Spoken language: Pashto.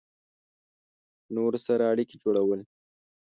له نورو سره اړیکې جوړول